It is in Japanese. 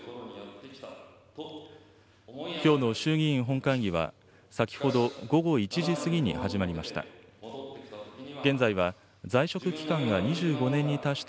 きょうの衆議院本会議は、先ほど午後１時過ぎに始まりました。